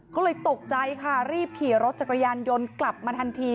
ก็เลยตกใจค่ะรีบขี่รถจักรยานยนต์กลับมาทันที